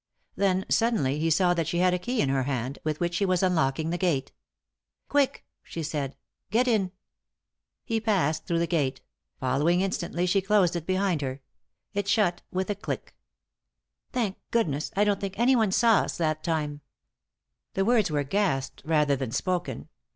Then, suddenly he saw that she had a key in her hand, with which she was unlocking the gate. Q 3 4* 3i 9 iii^d by Google THE INTERRUPTED KISS " Quick I " she said " Get in I " He passed through the gate; following instantly, she closed it behind her. It shut with a dick. " Thank goodness I I don't think anyone saw as that time !' The words were gasped rather than spoken.